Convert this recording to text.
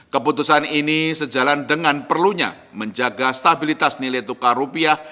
keputusan ini sejalan dengan perlunya menjaga stabilitas nilai tukar rupiah